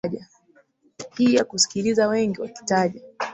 hi ya kusikiliza wengi wakitaja